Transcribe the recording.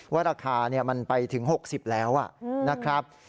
ว่าราคามันไปถึง๖๐แล้วนะครับ